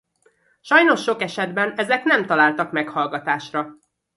Sajnos sok esetben ezek nem találtak meghallgatásra.